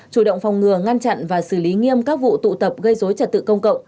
chủ động phòng ngừa ngăn chặn và xử lý nghiêm các vụ tụ tập gây dối trật tự công cộng